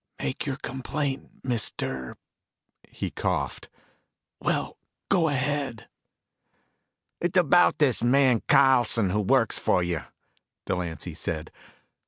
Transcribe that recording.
"Make your complaint, Mister " He coughed. "Well, go ahead." "It's about this man Carlson who works for you," Delancy said.